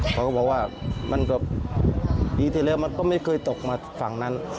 เขาก็บอกว่ามันก็ปีที่แล้วมันก็ไม่เคยตกมาฝั่งนั้น